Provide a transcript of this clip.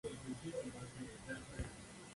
Tiene un importante puerto de pesca.